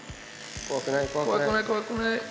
怖くない、怖くない。